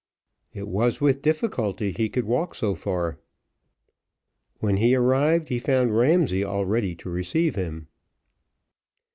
It was with difficulty he could walk so far. When he arrived he found Ramsay ready to receive him.